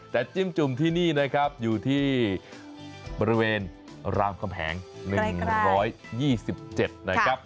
แต่จิ้มจุ่มที่นี่นะครับอยู่ที่บริเวณรามคำแหง๑๒๗นะครับ